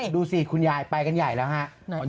ดูสิคุณยายไปกันใหญ่แล้วฮะ